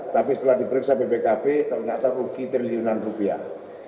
tapi setelah diperiksa bpkb ternyata rugi triliunan rupiah